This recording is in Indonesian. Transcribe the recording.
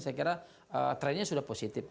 saya kira trennya sudah positif